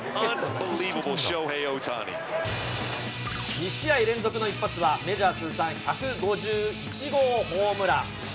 ２試合連続の一発は、メジャー通算１５１号ホームラン。